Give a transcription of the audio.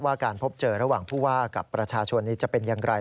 ว่าการพบเจอระหว่างผู้ว่ากับประชาชนนี้จะเป็นอย่างไร